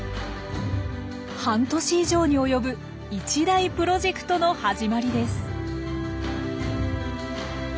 半年以上に及ぶ一大プロジェクトの始まりです。